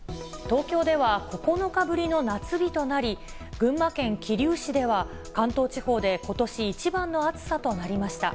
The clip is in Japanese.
東京では、９日ぶりの夏日となり、群馬県桐生市では、関東地方でことし一番の暑さとなりました。